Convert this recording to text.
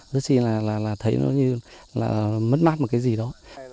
rất xin là thấy nó như là mất mát một cái gì đó